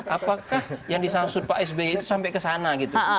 apakah yang disangkut pak sby itu sampai ke sana gitu